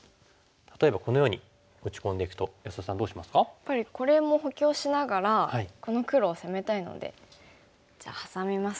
やっぱりこれも補強しながらこの黒を攻めたいのでじゃあハサみますか。